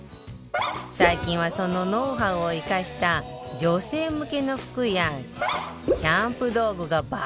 最近はそのノウハウを生かした女性向けの服や、キャンプ道具が爆発的に売れてるんだって！